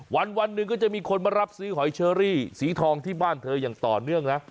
วันหนึ่งก็จะมีคนมารับซื้อหอยเชอรี่สีทองที่บ้านเธออย่างต่อเนื่องนะ